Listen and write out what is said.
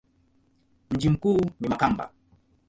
Mji mkuu ni Makamba.